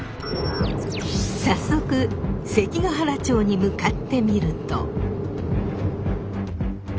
早速関ケ原町に向かってみると。